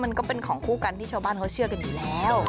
มันก็เป็นของคู่กันที่ชาวบ้านเขาเชื่อกันอยู่แล้ว